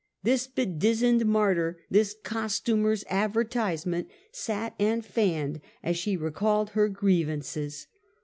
This bedizzoned martyr, this costumer's advertise ment, sat and fanned as she recounted her grievances.